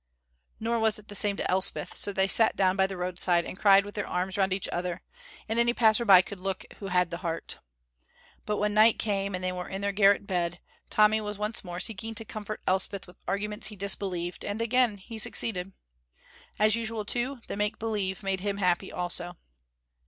Nor was it the same to Elspeth, so they sat down by the roadside and cried with their arms round each other, and any passer by could look who had the heart. But when night came, and they were in their garret bed, Tommy was once more seeking to comfort Elspeth with arguments he disbelieved, and again he succeeded. As usual, too, the make believe made him happy also.